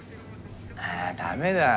えダメだよ。